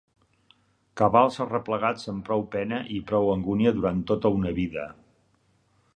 Cabals arreplegats amb prou pena i prou angúnia durant tota una vida